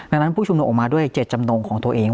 ดังนั้นผู้ชุมนุมออกมาด้วยเจตจำนงของตัวเอง